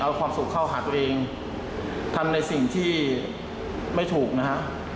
เอาความสุขเข้าหาตัวเองทำในสิ่งที่ไม่ถูกนะฮะ